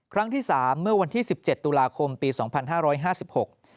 ครั้งที่๓เมื่อวันที่๑๗ตุลาคมปี๒๕๕๖เมื่อวันที่๓เมื่อวันที่๑๗ตุลาคมปี๒๕๕๖